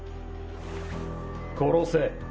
殺せ！